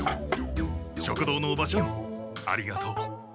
食堂のおばちゃんありがとう。